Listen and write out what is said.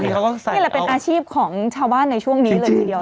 มันเป็นอาชีพของชาวบ้านในช่วงนี้เลยกี่เดียว